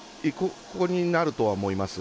ここになるとは思います。